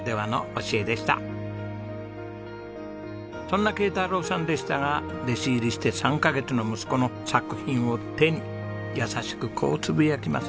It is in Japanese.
そんな圭太郎さんでしたが弟子入りして３カ月の息子の作品を手に優しくこうつぶやきます。